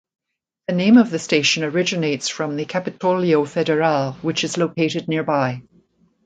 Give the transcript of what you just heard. The name of the station originates from the Capitolio Federal which is located nearby.